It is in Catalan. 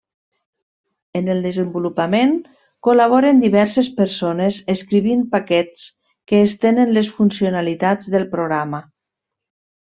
En el desenvolupament col·laboren diverses persones escrivint paquets que estenen les funcionalitats del programa.